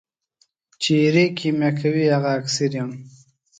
چي ایرې کېمیا کوي هغه اکسیر یم.